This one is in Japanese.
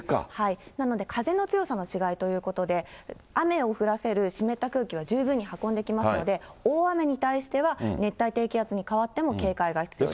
なので、風の強さの違いということで、雨を降らせる湿った空気は十分に運んできますので、大雨に対しては、熱帯低気圧に変わっても警戒が必要です。